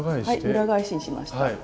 はい裏返しにしました。